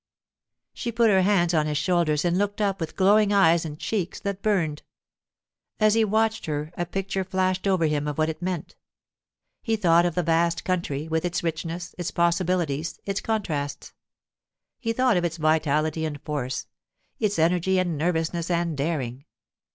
She put her hands on his shoulders and looked up with glowing eyes and cheeks that burned. As he watched her a picture flashed over him of what it meant. He thought of the vast country, with its richness, its possibilities, its contrasts. He thought of its vitality and force; its energy and nervousness and daring.